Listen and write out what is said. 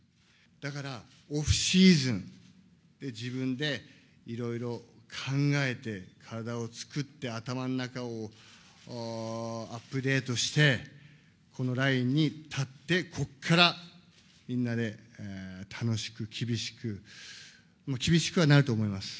だからオフシーズン、自分でいろいろ考えて、体を作って、頭の中をアップデートして、このラインに立って、ここからみんなで楽しく、厳しく、もう厳しくはなると思います。